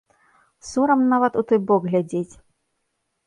Сорам нават у той бок глядзець.